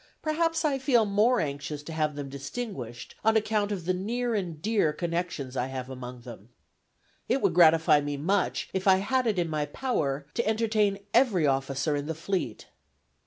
Perhaps I feel more anxious to have them distinguished, on account of the near and dear connections I have among them. It would gratify me much, if I had it in my power, to entertain every officer in the fleet."